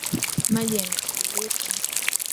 Maji yanatiririka .